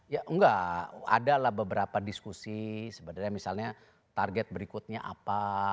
ya enggak adalah beberapa diskusi sebenarnya misalnya target berikutnya apa